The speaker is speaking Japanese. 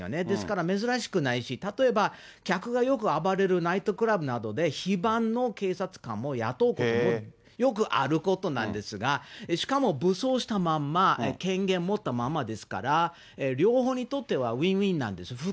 ですから珍しくないし、例えば客がよく暴れるナイトクラブなどで、非番の警察官も雇うこともよくあることなんですが、しかも武装したまんま権限持ったままですから、両方にとってはウィンウィンなんです。